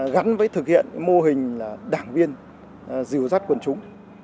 gắn với thực hiện mô hình đảng viên dìu dắt quần chúng